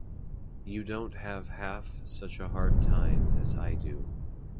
You don't have half such a hard time as I do.